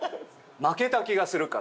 負けた気がするから。